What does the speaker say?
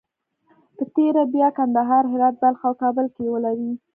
په تېره بیا کندهار، هرات، بلخ او کابل کې یې ولري.